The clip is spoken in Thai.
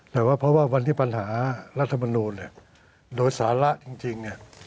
แต่ว่าเพราะว่าวันที่ปัญหารัฐมนีโดยสาระจริง